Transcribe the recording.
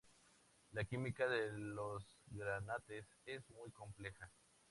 La química de los granates es muy compleja.